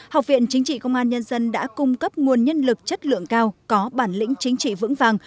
học viện chính trị công an nhân dân đã cung cấp nguồn nhân lực chất lượng cao có bản lĩnh chính trị vững vàng